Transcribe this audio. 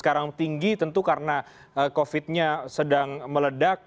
sekarang tinggi tentu karena covid nya sedang meledak